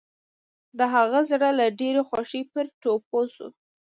د هغه زړه له ډېرې خوښۍ پر ټوپو شو.